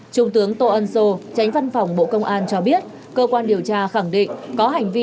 trung tướng tô ân sô tránh văn phòng bộ công an cho biết cơ quan điều tra khẳng định có hành vi